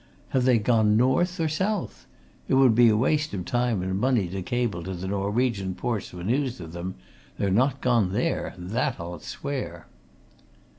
Have they gone north or south! It would be waste of time and money to cable to the Norwegian ports for news of them they're not gone there, that I'll swear."